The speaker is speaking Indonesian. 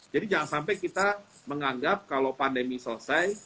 jangan sampai kita menganggap kalau pandemi selesai